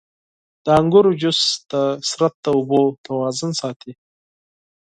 • د انګورو جوس د بدن د اوبو توازن ساتي.